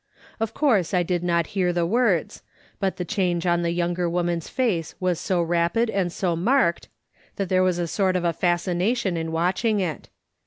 Of course I did not hear the words, but the change on the younger woman's face was so rapid and so marked "/ THINK AND MRS. SMITH DOES." 63 that there was a sort of a fascination in watching it.